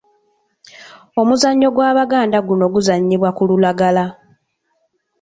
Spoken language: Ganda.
Omuzannyo gw'Abaganda guno guzannyibwa ku lulagala.